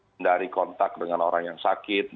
tidak bergantian dengan orang yang sakit